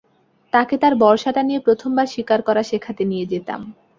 তাকে তার বর্শা টা নিয়ে প্রথমবার শিকার করা শেখাতে নিয়ে যেতাম।